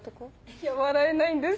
いや笑えないんですけど。